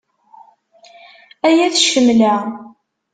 Ay at ccemla.